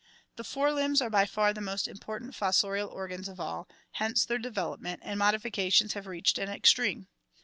The fore limbs are by far the most important fossorial organs of all, hence their development and modifications have reached an extreme.